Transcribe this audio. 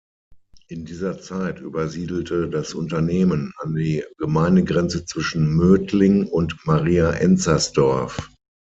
In dieser Zeit übersiedelte das Unternehmen an die Gemeindegrenze zwischen Mödling und Maria Enzersdorf.